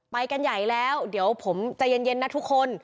ไปกันใหญ่แล้วเดี๋ยวผมใจเย็นนะทุกคน